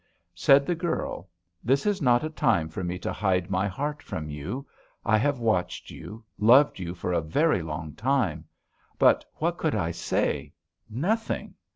"Said the girl: 'This is not a time for me to hide my heart from you. I have watched you, loved you for a very long time. But what could I say? Nothing.